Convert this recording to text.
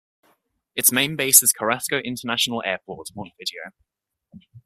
Its main base is Carrasco International Airport, Montevideo.